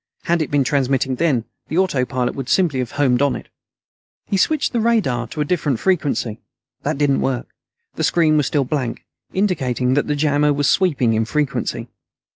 Had it been transmitting then, the autopilot would simply have homed on it. He switched the radar to a different frequency. That didn't work. The screen was still blank, indicating that the jammer was sweeping in frequency.